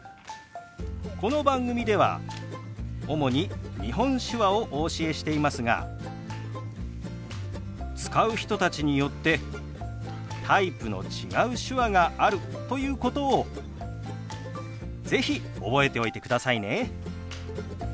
この番組では主に日本手話をお教えしていますが使う人たちによってタイプの違う手話があるということを是非覚えておいてくださいね。